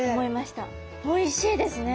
おいしいですね！